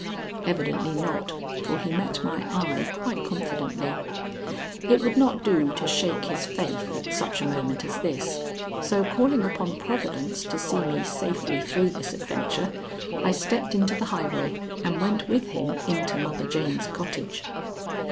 Evidently not, for he met my eye quite confidently. It would not do to shake his faith at such a moment as this, so calling upon Providence to see me safely through this adventure, I stepped into the highway and went with him into Mother Jane's cottage.